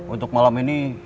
untuk malam ini